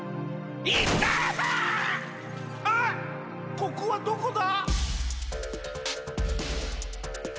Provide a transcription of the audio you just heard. ここはどこだ？